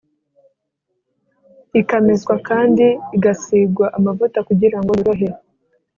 ikameswa, kandi igasigwa amavuta kugira ngo yorohe